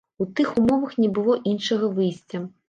У тых умовах не было іншага выйсця.